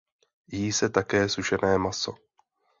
Jí se také sušené maso.